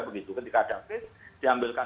begitu ketika ada face diambilkan